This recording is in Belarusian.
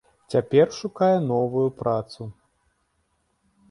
Цяпер шукае новую працу.